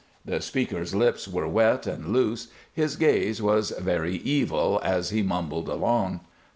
The speaker's lips were wet and loose, his gaze was very evil as he mumbled along.